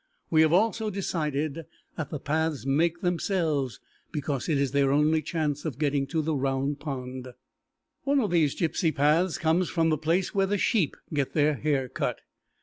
We have also decided that the paths make themselves because it is their only chance of getting to the Round Pond. One of these gypsy paths comes from the place where the sheep get their hair cut.